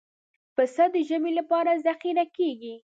پسه د ژمي لپاره ذخیره کېږي.